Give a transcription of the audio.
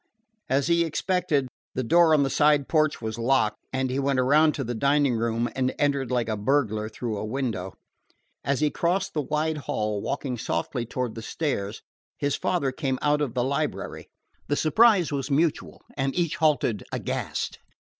As he expected, the door on the side porch was locked, and he went around to the dining room and entered like a burglar through a window. As he crossed the wide hall, walking softly toward the stairs, his father came out of the library. The surprise was mutual, and each halted aghast.